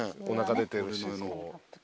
おなか出てるし。